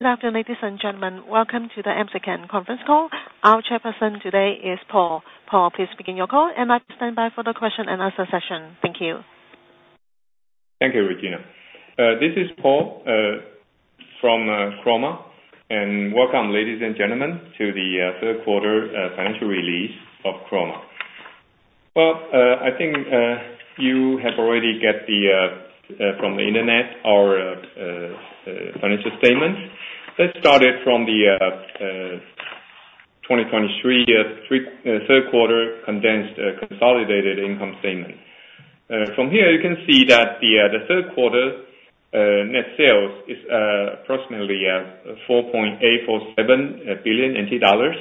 Good afternoon, ladies and gentlemen. Welcome to the Chroma conference call. Our chairperson today is Paul. Paul, please begin your call, and I stand by for the question and answer session. Thank you. Thank you, Regina. This is Paul from Chroma, and welcome, ladies and gentlemen, to the third quarter financial release of Chroma. Well, I think you have already get the from the internet, our financial statements. Let's start it from the 2023 third quarter condensed consolidated income statement. From here, you can see that the third quarter net sales is approximately 4.847 billion NT dollars.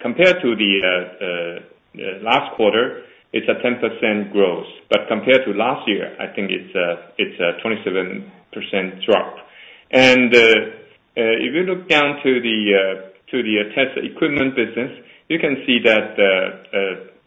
Compared to the last quarter, it's a 10% growth. But compared to last year, I think it's a, it's a 27% drop. If you look down to the test equipment business, you can see that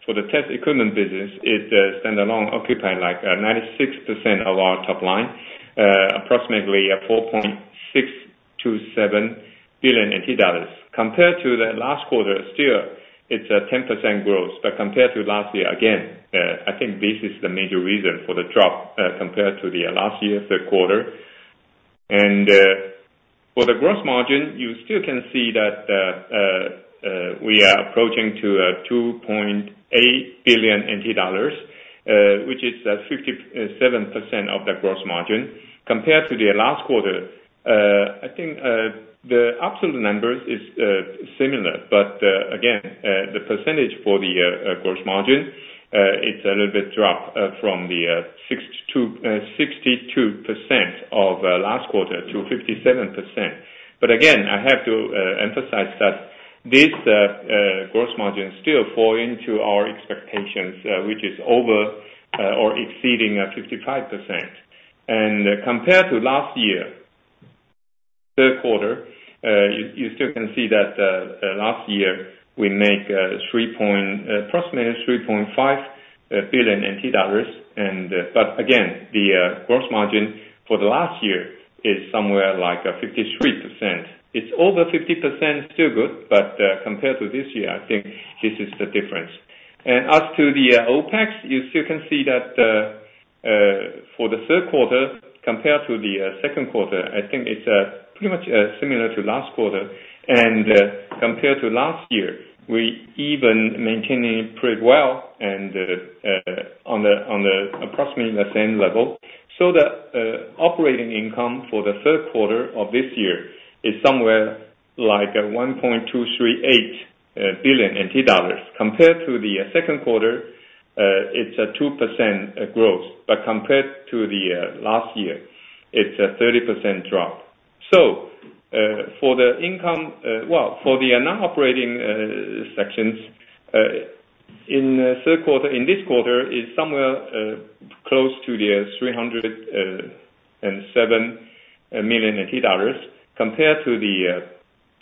for the test equipment business, it stand alone, occupying like 96% of our top line, approximately 4.627 billion NT dollars. Compared to the last quarter, still it's a 10% growth, but compared to last year, again, I think this is the major reason for the drop, compared to the last year's third quarter. For the gross margin, you still can see that we are approaching to 2.8 billion NT dollars, which is a 57% of the gross margin. Compared to the last quarter, I think, the absolute numbers is similar, but, again, the percentage for the gross margin, it's a little bit dropped from the 62%, 62% of last quarter to 57%. But again, I have to emphasize that this gross margin still fall into our expectations, which is over or exceeding 55%. And compared to last year, third quarter, you still can see that last year, we make approximately 3.5 billion NT dollars and, but again, the gross margin for the last year is somewhere like 53%. It's over 50%, still good, but compared to this year, I think this is the difference. As to the OPEX, you still can see that for the third quarter, compared to the second quarter, I think it's pretty much similar to last quarter. Compared to last year, we even maintaining pretty well and on approximately the same level. So the operating income for the third quarter of this year is somewhere like 1.238 billion NT dollars. Compared to the second quarter, it's a 2% growth, but compared to the last year, it's a 30% drop. So, for the income, well, for the non-operating sections in the third quarter, in this quarter, is somewhere close to 307 million TWD. Compared to the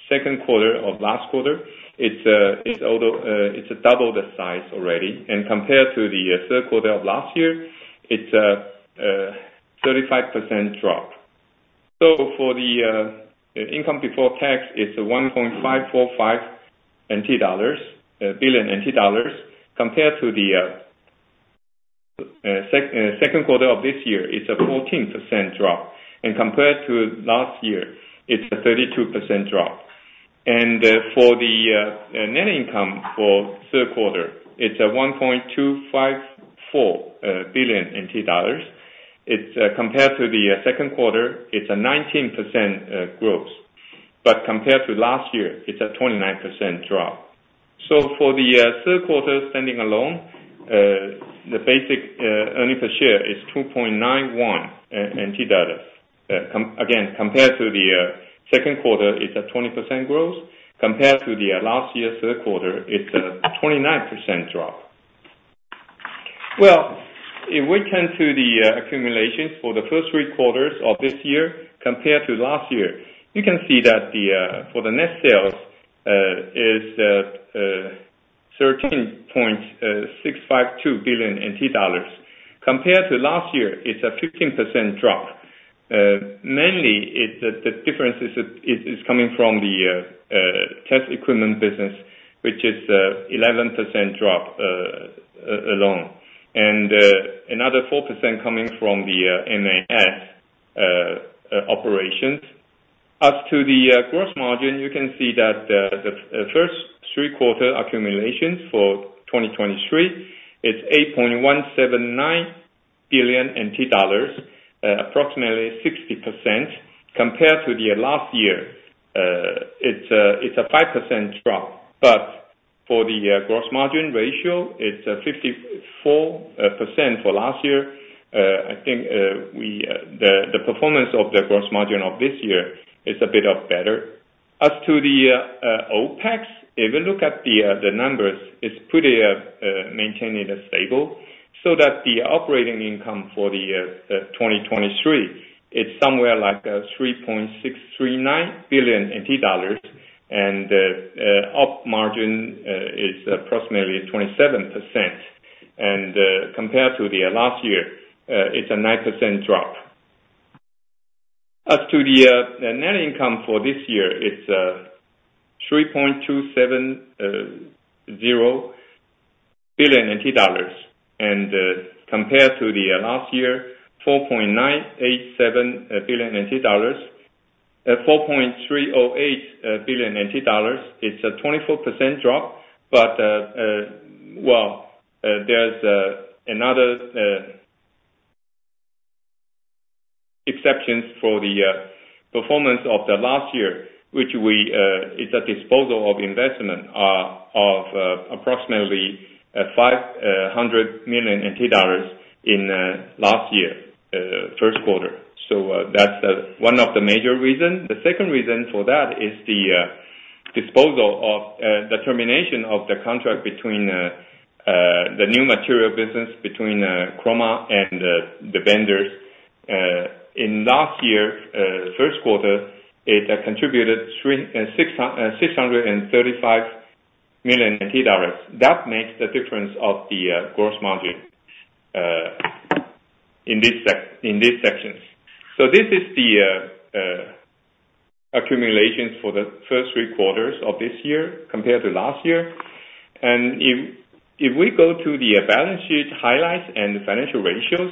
second quarter of last quarter, it's although it's double the size already, and compared to the third quarter of last year, it's a 35% drop. So for the income before tax, it's 1.545 billion NT dollars. Compared to the second quarter of this year, it's a 14% drop, and compared to last year, it's a 32% drop. For the net income for third quarter, it's 1.254 billion NT dollars. It's compared to the second quarter, it's a 19% growth. But compared to last year, it's a 29% drop. So for the third quarter, standing alone, the basic earnings per share is 2.91 NT dollars. Again, compared to the second quarter, it's a 20% growth. Compared to the last year third quarter, it's a 29% drop. Well, if we turn to the accumulations for the first three quarters of this year compared to last year, you can see that for the net sales is 13.652 billion NT dollars. Compared to last year, it's a 15% drop. Mainly, the difference is coming from the test equipment business, which is a 11% drop alone, and another 4% coming from the MAS operations. As to the gross margin, you can see that the first three quarter accumulations for 2023 is 8.179 billion dollars, approximately 60%. Compared to last year, it's a 5% drop, but for the gross margin ratio, it's 54% for last year. I think the performance of the gross margin of this year is a bit better. As to the OPEX, if you look at the numbers, it's pretty maintaining stable, so that the operating income for 2023, it's somewhere like 3.639 billion NT dollars, and op margin is approximately 27%... and compared to last year, it's a 9% drop. As to the net income for this year, it's 3.270 billion dollars, and compared to the last year, 4.987 billion, 4.308 billion dollars, it's a 24% drop. But well, there's another exceptions for the performance of the last year, which we is a disposal of investment of approximately 500 million NT dollars in last year first quarter. So that's one of the major reasons. The second reason for that is the disposal of the termination of the contract between the new material business between Chroma and the vendors. In last year, first quarter, it contributed 635 million NT dollars. That makes the difference of the gross margin in this section. So this is the accumulation for the first three quarters of this year compared to last year. And if we go to the balance sheet highlights and financial ratios,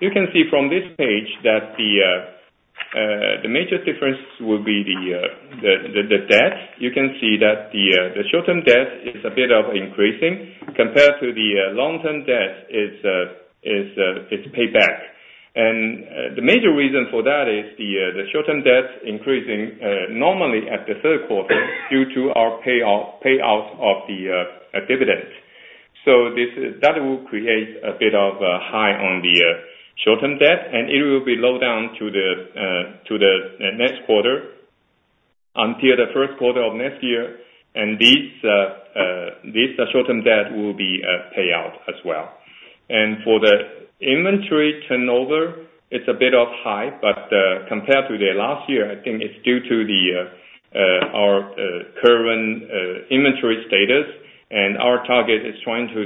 you can see from this page that the major difference will be the debt. You can see that the short-term debt is a bit of increasing compared to the long-term debt is paid back. And the major reason for that is the short-term debt increasing normally at the third quarter due to our payouts of the dividends. So that will create a bit of a high on the short-term debt, and it will be low down to the next quarter, until the first quarter of next year. This short-term debt will be paid out as well. For the inventory turnover, it's a bit high, but compared to the last year, I think it's due to our current inventory status, and our target is trying to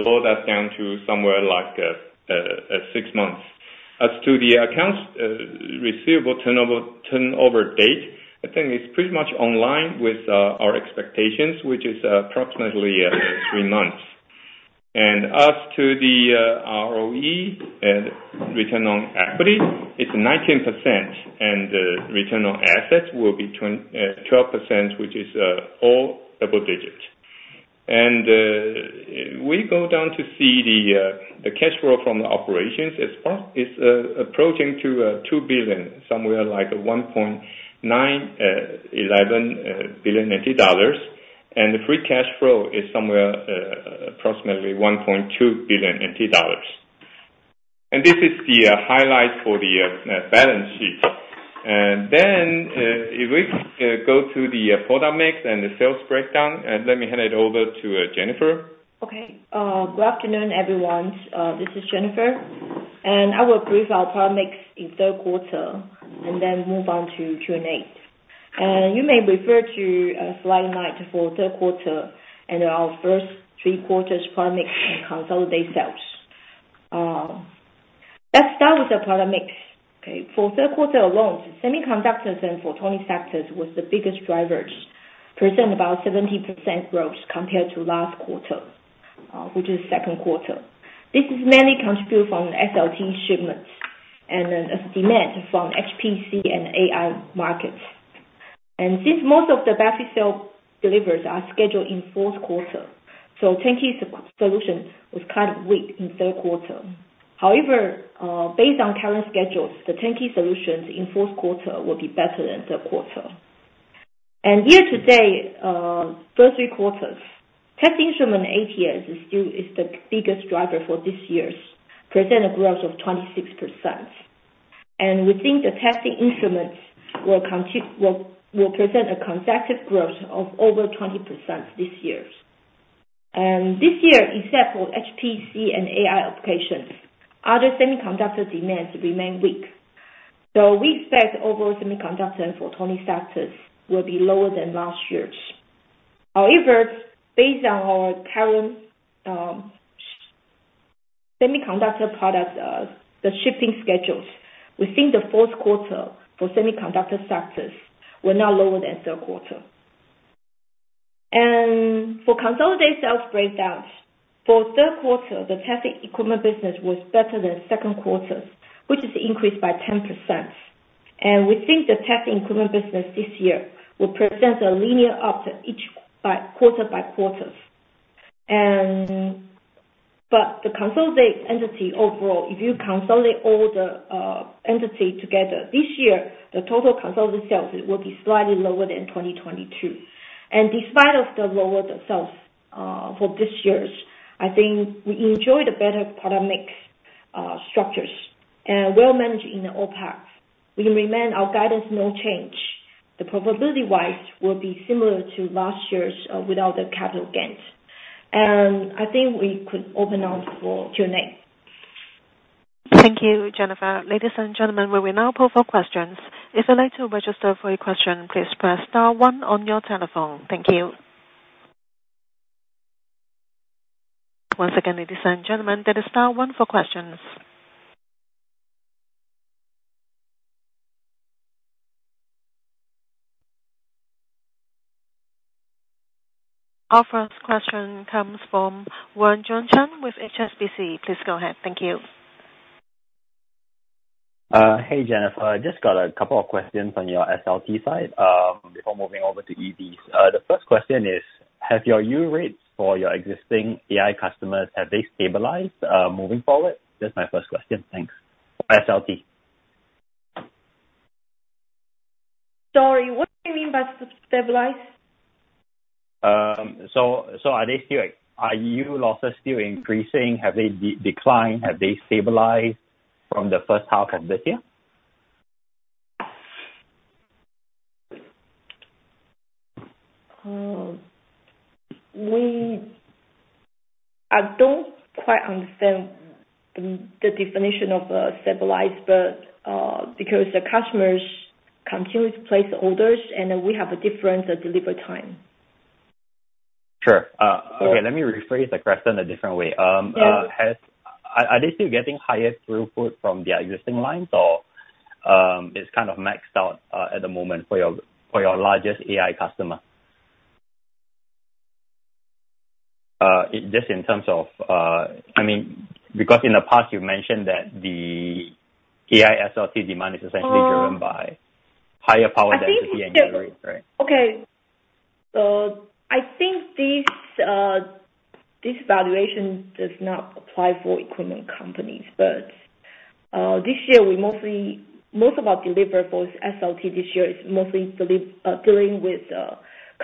lower that down to somewhere like six months. As to the accounts receivable turnover date, I think it's pretty much in line with our expectations, which is approximately three months. As to the ROE and return on equity, it's 19%, and return on assets will be twelve percent, which is all double digits. We go down to see the cash flow from the operations. At first, it's approaching two billion, somewhere like 1.911 billion dollars, and the free cash flow is somewhere approximately 1.2 billion TWD. This is the highlight for the balance sheet. Then, if we go to the product mix and the sales breakdown, and let me hand it over to Jennifer. Okay. Good afternoon, everyone. This is Jennifer, and I will brief our product mix in third quarter, and then move on to Q&A. You may refer to slide nine for third quarter and our first three quarters product mix and consolidated sales. Let's start with the product mix. Okay. For third quarter alone, semiconductors and photonic sectors was the biggest drivers, present about 70% growth compared to last quarter, which is second quarter. This is mainly contributed from the SLT shipments and then a demand from HPC and AI markets. And since most of the basic sales deliveries are scheduled in fourth quarter, so turnkey solution was kind of weak in third quarter. However, based on current schedules, the turnkey solutions in fourth quarter will be better than third quarter. Year to date, first three quarters, testing instrument ATS is still the biggest driver for this year, present a growth of 26%. We think the testing instruments will continue, will present a consecutive growth of over 20% this year. This year, except for HPC and AI applications, other semiconductor demands remain weak. We expect overall semiconductor and photonic sectors will be lower than last year's. However, based on our current semiconductor product shipping schedules, we think the fourth quarter for semiconductor sectors will not be lower than third quarter. For consolidated sales breakdowns, for third quarter, the testing equipment business was better than second quarter, which is increased by 10%. We think the testing equipment business this year will present a linear uptick each quarter by quarters. But the consolidated entity overall, if you consolidate all the entity together, this year, the total consolidated sales will be slightly lower than in 2022. Despite of the lower the sales, for this year's, I think we enjoy the better product mix, structures and well-managed in the all parts. We can remain our guidance no change. The profitability wise will be similar to last year's, without the capital gains. I think we could open now for Q&A. Thank you, Jennifer. Ladies and gentlemen, we will now pull for questions. If you'd like to register for your question, please press star one on your telephone. Thank you. Once again, ladies and gentlemen, that is star one for questions. Our first question comes from Wern Juan Chng with HSBC. Please go ahead. Thank you. Hey, Jennifer. I just got a couple of questions on your SLT side, before moving over to EVs. The first question is: Have your yield rates for your existing AI customers, have they stabilized, moving forward? That's my first question. Thanks. SLT. Sorry, what do you mean by stabilized? So, are yield losses still increasing? Have they declined, have they stabilized from the first half of this year? I don't quite understand the definition of stabilized, but because the customers continue to place orders and then we have a different delivery time. Sure. Okay, let me rephrase the question a different way. Yeah. Are they still getting higher throughput from their existing lines, or it's kind of maxed out at the moment for your largest AI customer? Just in terms of, I mean, because in the past you've mentioned that the AI SLT demand is essentially. Oh. driven by higher power density I think it's just. Right. Okay. So I think this, this valuation does not apply for equipment companies, but, this year, we mostly, most of our deliverables SLT this year is mostly dealing with,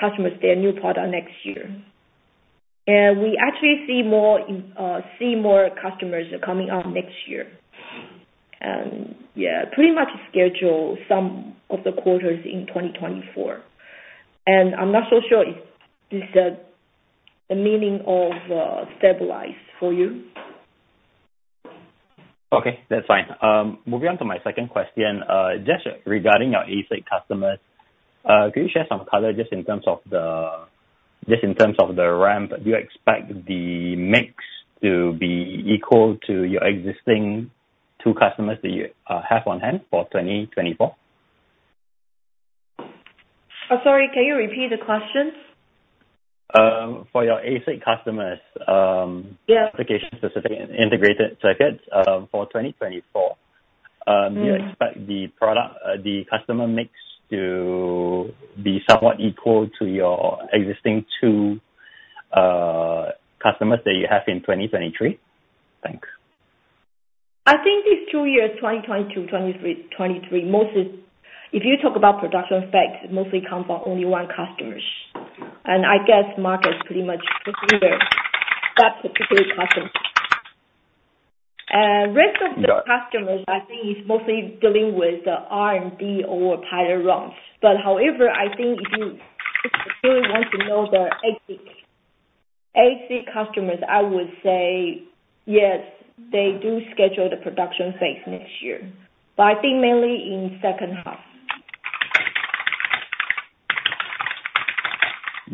customers their new product next year. And we actually see more, see more customers coming on next year. Yeah, pretty much schedule some of the quarters in 2024. And I'm not so sure if is the, the meaning of, stabilize for you. Okay, that's fine. Moving on to my second question, just regarding our ASIC customers, can you share some color just in terms of the, just in terms of the ramp? Do you expect the mix to be equal to your existing two customers that you have on hand for 2024? Sorry, can you repeat the question? For your ASIC customers, Yeah. Application-specific integrated circuits for 2024. Mm-hmm. Do you expect the product, the customer mix to be somewhat equal to your existing two customers that you have in 2023? Thanks. I think these two years, 2022, 2023, 2023, mostly if you talk about production specs, mostly come from only one customers. I guess market is pretty much familiar, that particular customer. Rest of the. Got it. Customers, I think, is mostly dealing with the R&D or pilot runs. But however, I think if you, if you want to know the ASIC, ASIC customers, I would say yes, they do schedule the production phase next year, but I think mainly in second half.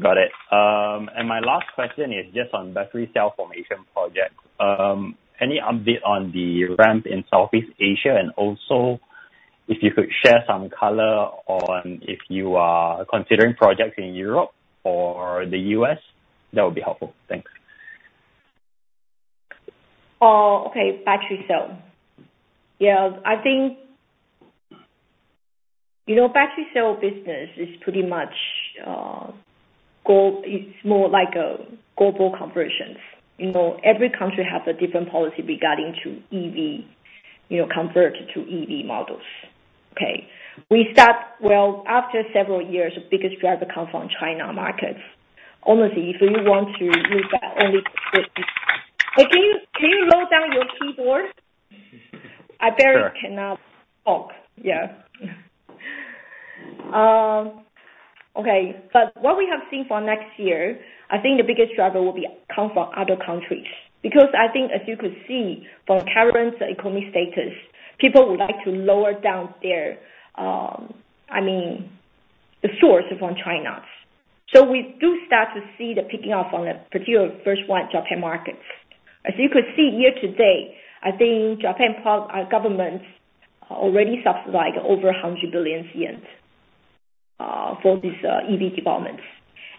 Got it. And my last question is just on battery cell formation project. Any update on the ramp in Southeast Asia, and also if you could share some color on if you are considering projects in Europe or the U.S., that would be helpful. Thanks. Okay. Battery cell. Yeah, I think, you know, battery cell business is pretty much, it's more like a global conversions. You know, every country has a different policy regarding to EV, you know, convert to EV models. Okay. We start, well, after several years, the biggest driver comes from China markets. Honestly, if you want to use that only... Hey, can you, can you low down your keyboard? Sure. I barely cannot talk. Yeah. Okay, but what we have seen for next year, I think the biggest driver will be, come from other countries. Because I think, as you could see from current economy status, people would like to lower down their, I mean, the source from China. So we do start to see the picking up on a particular first one, Japan markets. As you could see year to date, I think Japan government already subsidize over 100 billion yen for this EV developments.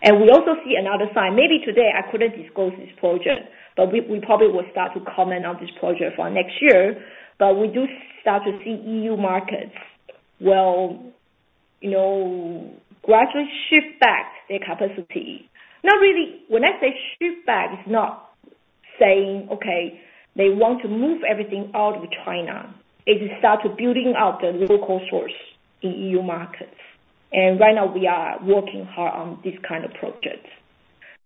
And we also see another sign. Maybe today I couldn't disclose this project, but we probably will start to comment on this project for next year, but we do start to see EU markets, well, you know, gradually shift back their capacity. Not really... When I say shift back, it's not saying, "Okay, they want to move everything out of China." It start building out the local source in EU markets, and right now we are working hard on this kind of projects.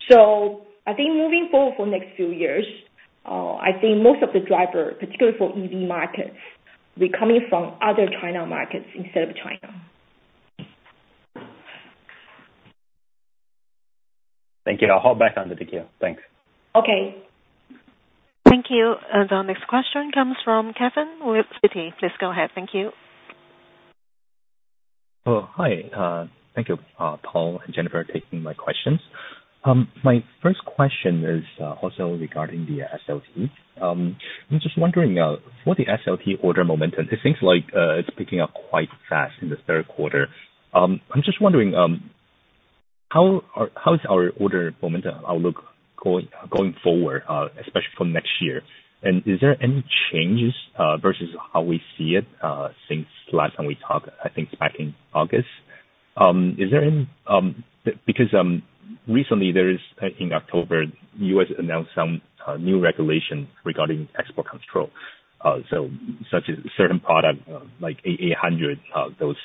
So I think moving forward for next few years, I think most of the driver, particularly for EV markets, will be coming from other China markets instead of China. .Thank you. I'll hop back on the queue. Thanks. Okay. Thank you. And our next question comes from Kevin with Citi. Please go ahead. Thank you. Oh, hi. Thank you, Paul and Jennifer for taking my questions. My first question is also regarding the SLT. I'm just wondering for the SLT order momentum; it seems like it's picking up quite fast in the third quarter. I'm just wondering how is our order momentum outlook going forward, especially for next year? And is there any changes versus how we see it since last time we talked, I think back in August? Because recently there is in October, the U.S. announced some new regulation regarding export control. So such as certain product like A800, those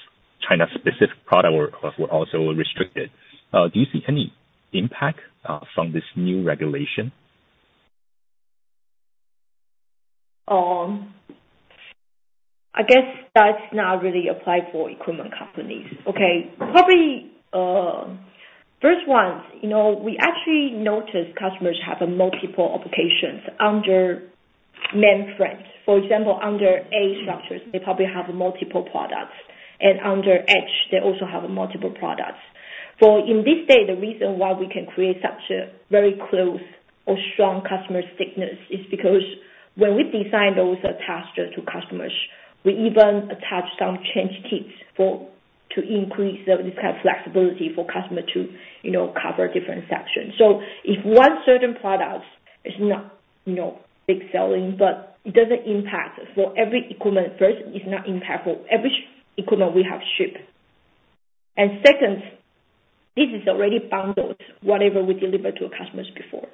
China-specific product were also restricted. Do you see any impact from this new regulation? I guess that's not really applied for equipment companies. Okay. Probably, first one, you know, we actually noticed customers have multiple applications under main trends. For example, under ASIC structures, they probably have multiple products, and under edge, they also have multiple products. So in this way, the reason why we can create such a very close or strong customer stickiness is because when we design those attached to customers, we even attach some change kits for to increase the this kind of flexibility for customer to, you know, cover different sections. So if one certain product is not, you know, big selling, but it doesn't impact, for every equipment first, it's not impactful. Every equipment we have shipped. And second, this is already bundled, whatever we delivered to our customers before.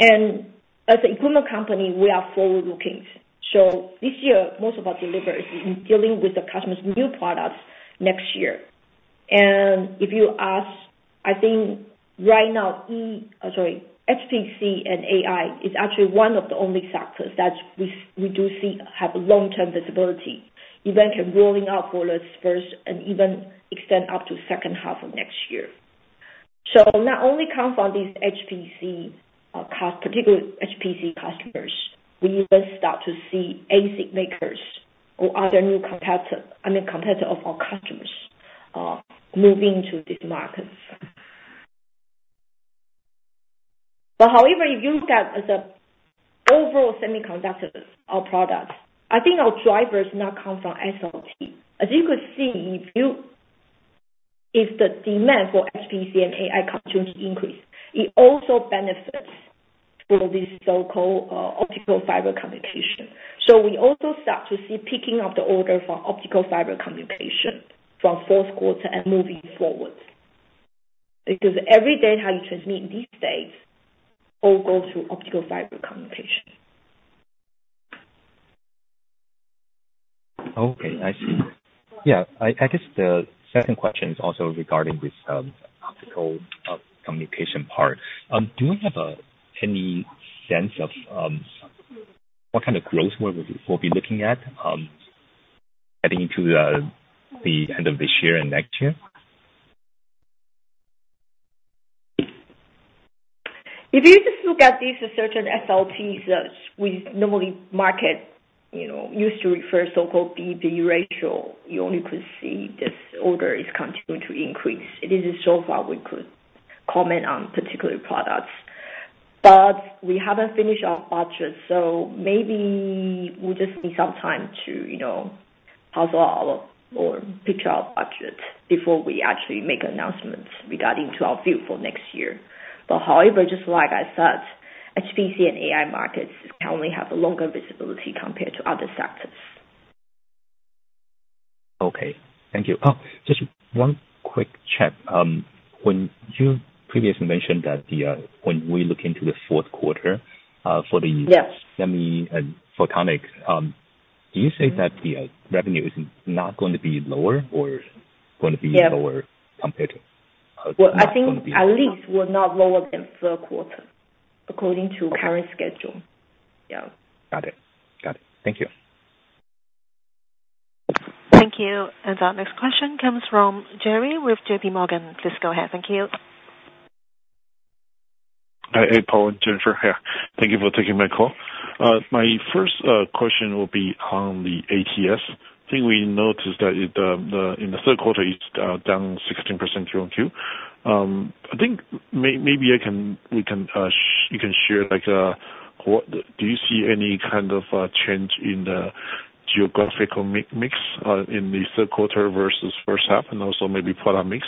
And as an equipment company, we are forward-looking. So this year, most of our delivery is in dealing with the customer's new products next year. And if you ask, I think right now, HPC and AI is actually one of the only sectors that we, we do see have long-term visibility, eventually rolling out for let's first, and even extend up to second half of next year. So not only come from these HPC, particular HPC customers, we even start to see ASIC makers or other new competitor, I mean, competitor of our customers, moving to this market. But however, if you look at the overall semiconductors, our products, I think our drivers not come from SLT. As you could see, if you, if the demand for HPC and AI continue to increase, it also benefits from this so-called, optical fiber communication. We also start to see picking up the order for optical fiber communication from fourth quarter and moving forward. Because every data how you transmit these days, all go through optical fiber communication. Okay, I see. Yeah, I guess the second question is also regarding this optical communication part. Do you have any sense of what kind of growth we'll be looking at heading into the end of this year and next year? If you just look at these certain SLTs that we normally market, you know, used to refer so-called B/B ratio, you only could see this order is continuing to increase. It is so far we could comment on particular products. But we haven't finished our budget, so maybe we'll just need some time to, you know, puzzle out or picture our budget before we actually make announcements regarding to our view for next year. But however, just like I said, HPC and AI markets can only have a longer visibility compared to other sectors. Okay, thank you. Oh, just one quick check. When you previously mentioned that the, when we look into the fourth quarter, for the. Yes. -semi and photonics, do you say that the revenue is not going to be lower or going to be. Yeah. Lower compared to? Well, I think at least will not lower than third quarter, according to current schedule. Yeah. Got it. Got it. Thank you. Thank you. Our next question comes from Jerry with JPMorgan. Please go ahead. Thank you. Hi, hey, Paul and Jennifer. Thank you for taking my call. My first question will be on the ATS. I think we noticed that in the third quarter, it's down 16% QOQ. I think maybe we can, you can share like what... Do you see any kind of change in the geographical mix in the third quarter versus first half, and also maybe product mix?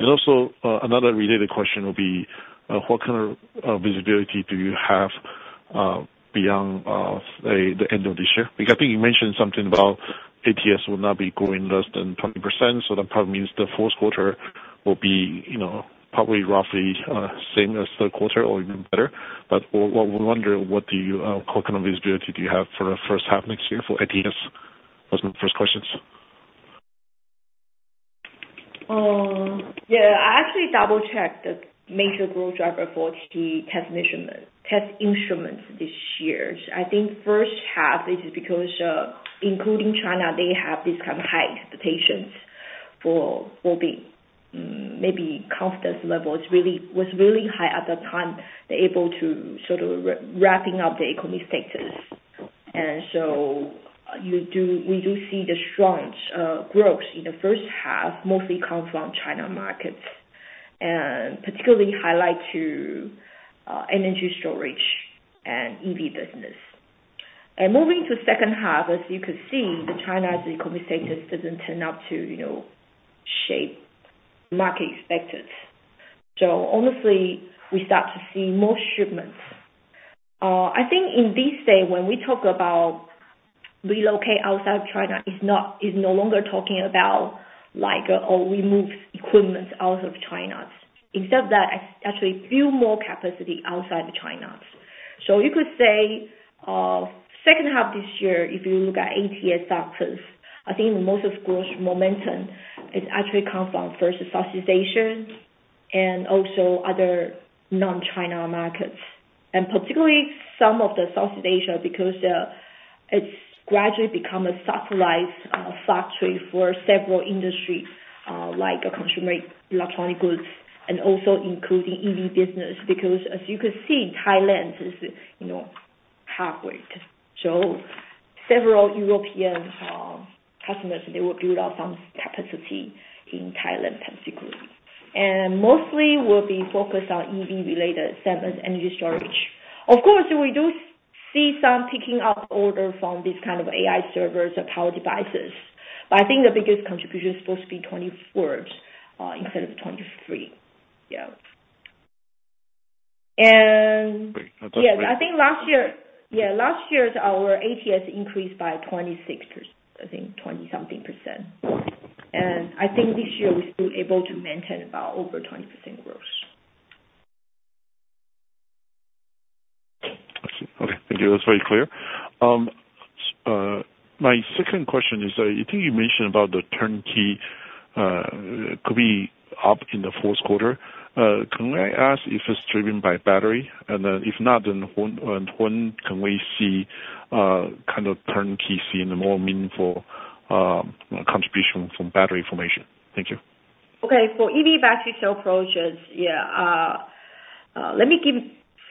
And also, another related question would be what kind of visibility do you have beyond, say, the end of this year? Because I think you mentioned something about ATS will not be growing less than 20%, so that probably means the fourth quarter will be, you know, probably roughly same as third quarter or even better. What we wonder, what do you, what kind of visibility do you have for the first half next year for ATS? Those are my first questions. Yeah, I actually double-checked the major growth driver for the test measurement, test instruments this year. I think first half is because, including China, they have this kind of height, the patients for, will be, maybe confidence levels really, was really high at that time, they're able to sort of re-wrapping up the economy status. And so you do, we do see the strong growth in the first half, mostly come from China markets, and particularly highlight to energy storage and EV business. And moving to second half, as you can see, the China's economy status doesn't turn out to, you know, shape market expected. So honestly, we start to see more shipments. I think in this day, when we talk about relocate outside of China, it's not, it's no longer talking about like, oh, we move equipments out of China. Instead of that, actually build more capacity outside of China. So you could say, second half this year, if you look at ATS orders, I think most of growth momentum, it actually come from first Southeast Asia and also other non-China markets. And particularly some of the Southeast Asia, because, it's gradually become a satellite, factory for several industries, like a consumer electronic goods and also including EV business. Because as you can see, Thailand is, you know, halfway. So several European, customers, they will build out some capacity in Thailand specifically, and mostly will be focused on EV-related service, energy storage. Of course, we do see some picking up order from these kind of AI servers or power devices, but I think the biggest contribution is supposed to be 2024, instead of 2023. Yeah. And- Great. Yeah, last year's our ATS increased by 26%, I think 20-something%. And I think this year we're still able to maintain about over 20% growth. I see. Okay, thank you. That's very clear. My second question is, I think you mentioned about the turnkey could be up in the fourth quarter. Can I ask if it's driven by battery? And then if not, then when can we see kind of turnkey we see in a more meaningful contribution from battery formation? Thank you. Okay. For EV battery cell approaches, yeah. Let me give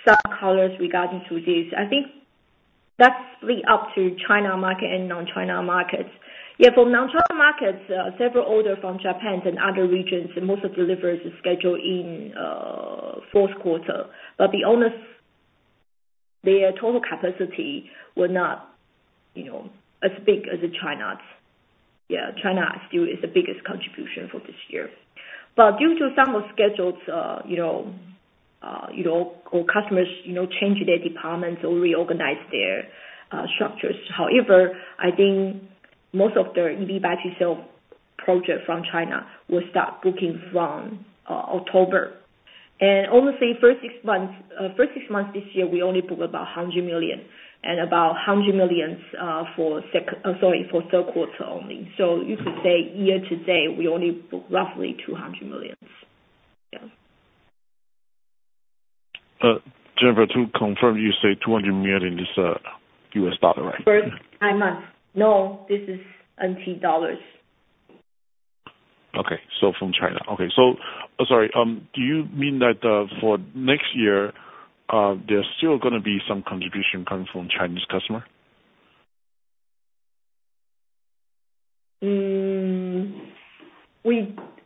some colors regarding to this. I think that's really up to China market and non-China markets. Yeah, for non-China markets, several orders from Japan and other regions, and most of the deliveries is scheduled in, fourth quarter. But be honest, their total capacity were not, you know, as big as the China's. Yeah, China still is the biggest contribution for this year. But due to some of schedules, you know, or customers, you know, changing their departments or reorganize their, structures. However, I think most of the EV battery cell project from China will start booking from, October. And honestly, first six months, first six months this year, we only book about 100 million and about 100 million, for sec, sorry, for third quarter only. You could say year to date, we only book roughly 200 million. Yeah. Jennifer, to confirm, you say $200 million in this U.S. dollar, right? First nine months. No, this is NT dollars. Okay. So from China. Okay. So, sorry, do you mean that for next year, there's still gonna be some contribution coming from Chinese customer?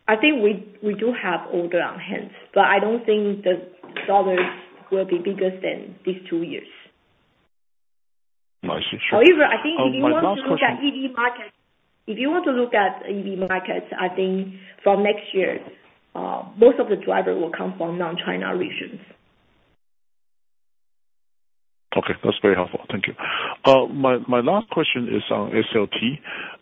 I think we do have orders on hand, but I don't think the dollars will be bigger than these two years. I see. However, I think if you want to look at EV market- My last question. If you want to look at EV markets, I think from next year, most of the driver will come from non-China regions. Okay. That's very helpful. Thank you. My last question is on SLT.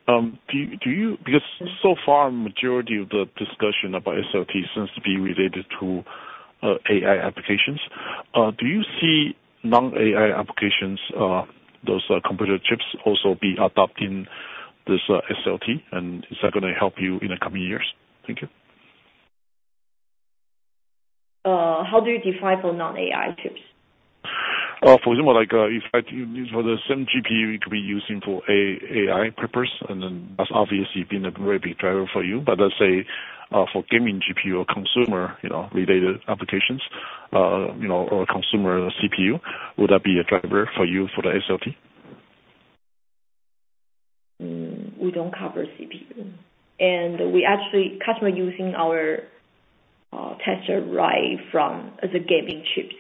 Do you, because so far, majority of the discussion about SLT seems to be related to AI applications. Do you see non-AI applications, those computer chips also be adopting this SLT? And is that gonna help you in the coming years? Thank you. How do you define for non-AI chips? For example, like, if I, for the same GPU, it could be using for AI purpose, and then that's obviously been a very big driver for you. But let's say, for gaming GPU or consumer, you know, related applications, you know, or consumer CPU, would that be a driver for you for the SLT? We don't cover CPU, and we actually, customer using our tester right from the gaming chips.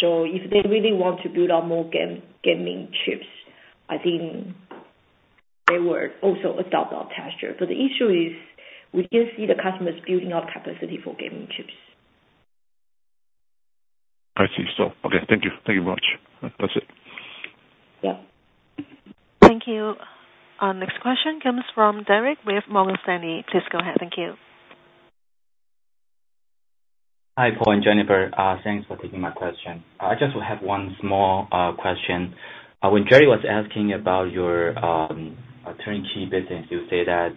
So if they really want to build out more gaming chips, I think they will also adopt our tester. But the issue is, we didn't see the customers building out capacity for gaming chips. I see. So, okay, thank you. Thank you very much. That's it. Yeah. Thank you. Our next question comes from Derek with Morgan Stanley. Please go ahead. Thank you. Hi, Paul and Jennifer. Thanks for taking my question. I just have one small question. When Jerry was asking about your turnkey business, you say that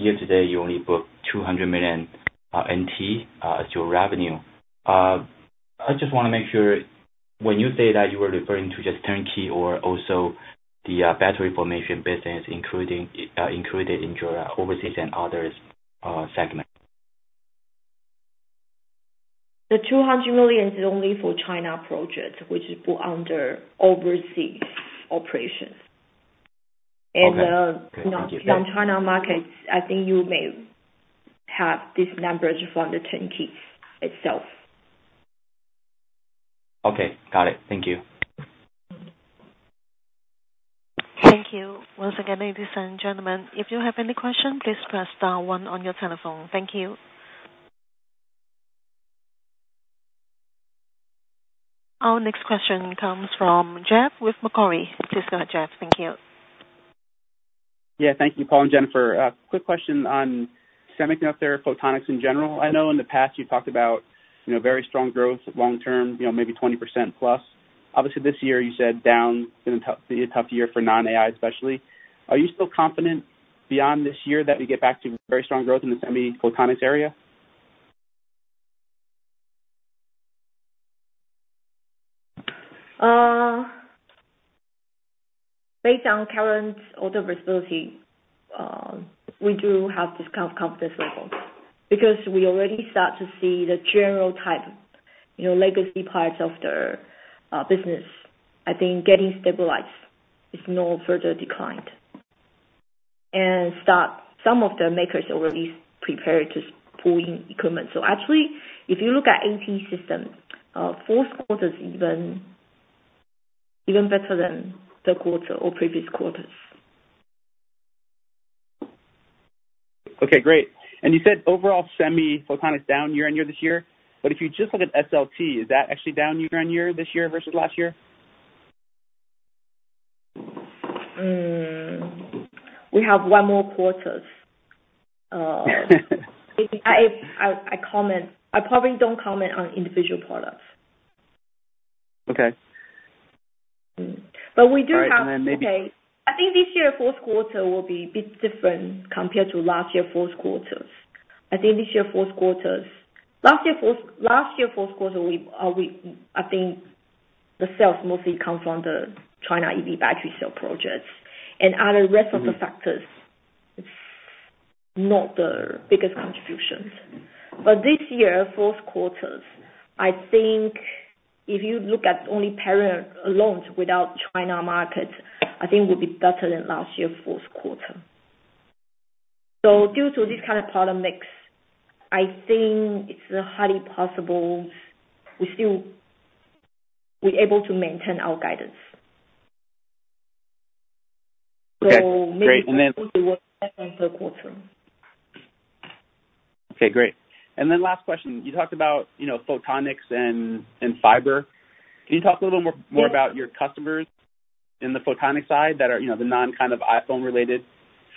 year to date, you only booked 200 million NT as your revenue. I just wanna make sure, when you say that, you were referring to just turnkey or also the battery formation business, including in your overseas and others segment? The 200 million is only for China projects, which is put under overseas operations. Okay. Non-China markets, I think you may have these numbers from the turnkey itself. Okay. Got it. Thank you. Thank you. Once again, ladies and gentlemen, if you have any questions, please press star one on your telephone. Thank you. Our next question comes from Jeff with Macquarie. Please go ahead, Jeff. Thank you. Yeah, thank you, Paul and Jennifer. Quick question on semiconductor photonics in general. I know in the past you've talked about, you know, very strong growth long term, you know, maybe 20% plus. Obviously, this year you said down, it's been a tough, be a tough year for non-AI especially. Are you still confident beyond this year that we get back to very strong growth in the semi-photonics area? Based on current order visibility, we do have this kind of confidence level. Because we already start to see the general type, you know, legacy parts of the business, I think getting stabilized. It's no further declined. And start some of the makers already prepared to pull in equipment. So actually, if you look at ATE system, fourth quarter is even, even better than the quarter or previous quarters. Okay, great. You said overall semi-photonics down year-over-year this year, but if you just look at SLT, is that actually down year-over-year this year versus last year? We have one more quarters. I probably don't comment on individual products. Okay. Mm. But we do have. All right, and then maybe. Okay. I think this year, fourth quarter will be a bit different compared to last year fourth quarters. I think this year, fourth quarters... Last year, fourth, last year, fourth quarter, we, we, I think the sales mostly come from the China EV battery cell projects, and other rest of the factors, it's not the biggest contributions. But this year, fourth quarters, I think if you look at only Perion alone without China market, I think we'll be better than last year, fourth quarter. So due to this kind of product mix, I think it's highly possible, we still, we're able to maintain our guidance. Okay, great. And then. Maybe it will work better on third quarter. Okay, great. And then last question, you talked about, you know, photonics and, and fiber. Can you talk a little more, more about your customers in the photonic side that are, you know, the non-kind of iPhone-related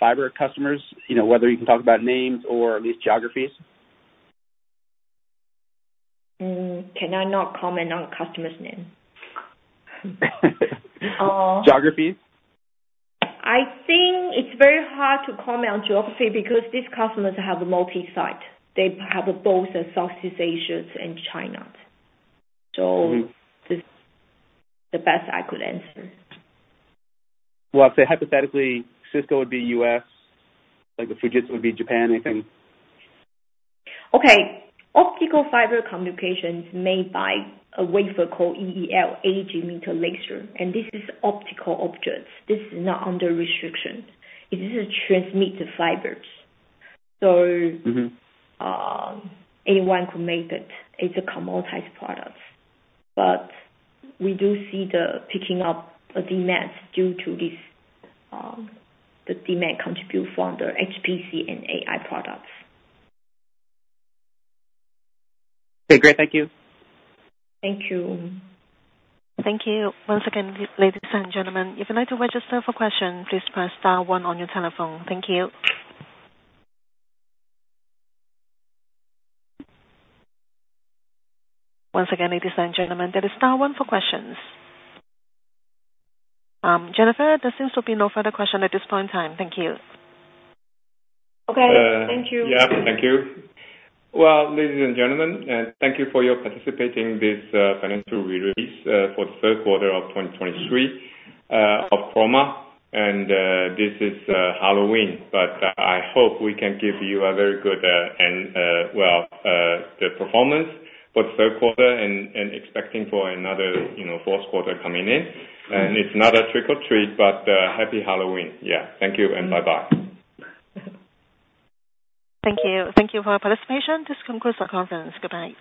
fiber customers? You know, whether you can talk about names or at least geographies? Can I not comment on customers' name? Geographies? I think it's very hard to comment on geography because these customers have multi-site. They have both in Southeast Asia and China. Mm-hmm. So this is the best I could answer. Well, say hypothetically, Cisco would be U.S., like Fujitsu would be Japan, I think. Okay. Optical fiber communications made by a wafer called EEL, Edge Emitter laser, and this is optical objects. This is not under restriction. It is a transmitted fibers. So. Mm-hmm. Anyone could make it. It's a commoditized product. But we do see the picking up of demand due to this, the demand contribute from the HPC and AI products. Okay, great. Thank you. Thank you. Thank you. Once again, ladies and gentlemen, if you'd like to register for question, please press star one on your telephone. Thank you. Once again, ladies and gentlemen, that is star one for questions. Jennifer, there seems to be no further question at this point in time. Thank you. Okay. Thank you. Yeah, thank you. Well, ladies and gentlemen, thank you for your participating in this financial release for the third quarter of 2023 of Chroma. And this is Halloween, but I hope we can give you a very good and well the performance for third quarter and expecting for another, you know, fourth quarter coming in. And it's not a trick or treat, but happy Halloween. Yeah. Thank you, and bye-bye. Thank you. Thank you for your participation. This concludes our conference. Goodbye.